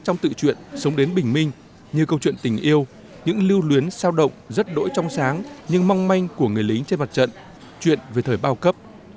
trong tự truyện sống đến bình minh như câu chuyện tình yêu những lưu luyến sao động rất đỗi trong sáng nhưng mong manh của người lính trên mặt trận chuyện về thời bao cấp